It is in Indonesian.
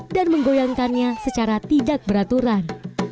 dan menggoyangkannya secara tidak beraturan